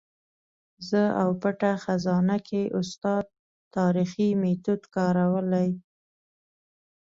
زه او پټه خزانه کې استاد تاریخي میتود کارولی.